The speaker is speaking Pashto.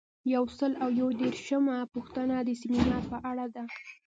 یو سل او یو دیرشمه پوښتنه د سمینار په اړه ده.